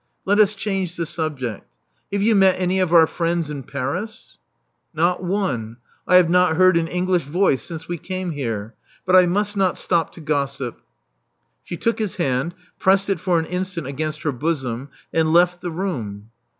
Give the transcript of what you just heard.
Let us change the subject. Have you met any of our friends in Paris? '*Not one. I have not heard an English voice since we came here. But I must not stop to gossip." She took his hand; pressed it for an instant against her bosom ; and left the room.